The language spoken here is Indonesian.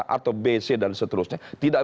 atau bc dan seterusnya tidak